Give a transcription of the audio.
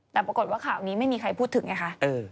แต่ปรากฏว่าข่าวนี้ไม่มีใครพูดถึงไงคะ